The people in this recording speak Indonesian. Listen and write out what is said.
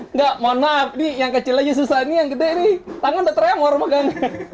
enggak mohon maaf nih yang kecil aja susah nih yang gede nih tangan udah terremor megang